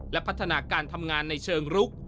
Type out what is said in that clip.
และพัฒนาการทำงานในเชิงรุก